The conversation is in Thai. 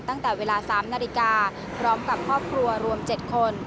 ตั้งแต่เวลา๓นาฬิกาพร้อมกับครอบครัวรวม๗คน